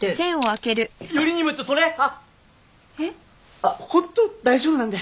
あっホント大丈夫なんで。